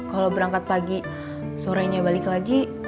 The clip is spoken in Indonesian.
kalau berangkat pagi sore nya balik lagi